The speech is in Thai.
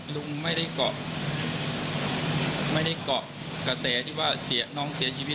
ลุงไม่ได้เกาะกระแสที่ว่าน้องเสียชีวิต